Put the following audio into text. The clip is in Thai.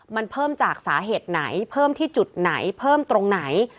มันเพิ่มจากสาเหตุไหนเพิ่มที่จุดไหนเพิ่มตรงไหน